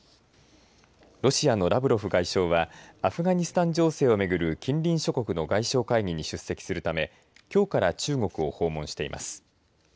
ロシアのラブロフ外相はアフガニスタン情勢をめぐる近隣諸国の外相会議に出席するためきょうから中国を訪問しています。